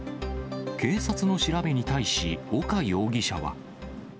警察の調べに対し、丘容疑者は。